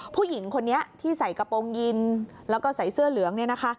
ผู้หญิงคนนี้ที่ใส่กระโปรงยินแล้วก็ใส่เสื้อเหลืองเนี่ยนะคะ